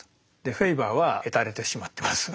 フェーバーはへたれてしまってます。